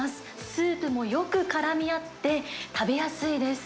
スープもよくからみ合って、食べやすいです。